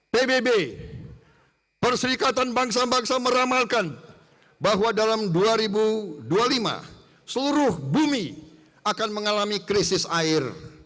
pbb perserikatan bangsa bangsa meramalkan bahwa dalam dua ribu dua puluh lima seluruh bumi akan mengalami krisis air